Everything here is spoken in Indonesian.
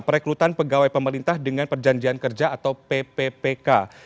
perekrutan pegawai pemerintah dengan perjanjian kerja atau pppk